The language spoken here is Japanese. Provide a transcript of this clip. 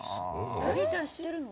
おじいちゃん知ってるの？